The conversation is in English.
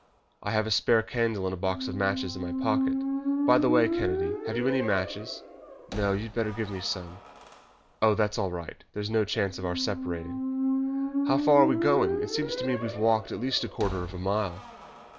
"I have a spare candle and a box of matches in my pocket. By the way, Kennedy, have you any matches?" "No; you had better give me some." "Oh, that is all right. There is no chance of our separating." "How far are we going? It seems to me that we have walked at least a quarter of a mile."